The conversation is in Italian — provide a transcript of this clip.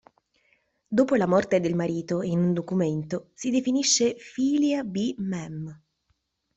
Dopo la morte del marito, in un documento si definisce "filia b. mem.